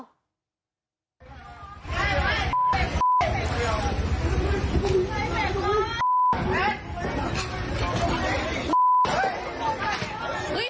เฮ้ย